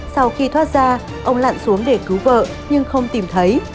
sau khi thoát ra ông lặn xuống để cứu vợ nhưng không tìm thấy